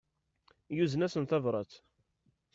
Yuzen-as-n tabrat.